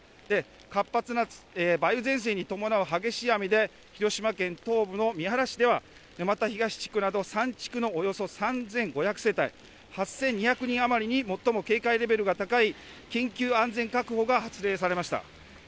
活発な梅雨前線に伴う激しい雨で、広島県東部の三原市では、沼田東地区など３地区のおよそ３５００世帯８２００人余りに最も警戒レベルが高い緊急安全確保が発令されました。